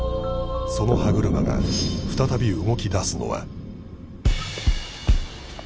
その歯車が再び動き出すのは